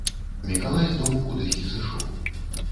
Мікалай з дому кудысьці сышоў.